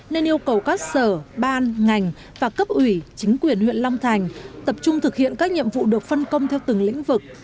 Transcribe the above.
nên yêu cầu các sở ban ngành và cấp ủy chính quyền huyện long thành tập trung thực hiện các nhiệm vụ được phân công theo từng lĩnh vực